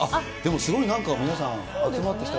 すごいなんか皆さん、集まってきて。